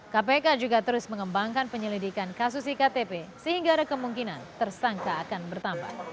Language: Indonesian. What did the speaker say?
kpk juga terus mengembangkan penyelidikan kasus iktp sehingga ada kemungkinan tersangka akan bertambah